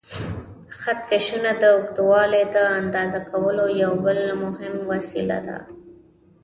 خط کشونه د اوږدوالي د اندازه کولو یو بل مهم وسیله ده.